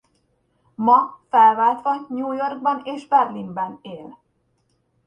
Ma felváltva New Yorkban és Berlinben él.